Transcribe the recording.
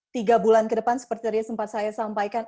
tiga bulan ke depan seperti tadi sempat saya sampaikan